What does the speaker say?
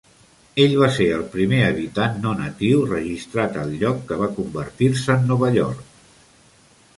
Ell va ser el primer habitant no-natiu registrat al lloc que va convertir-se en Nova York.